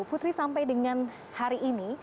putri sampai dengan hari ini